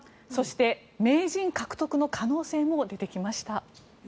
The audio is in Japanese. そして、名人獲得の可能性も出てきました。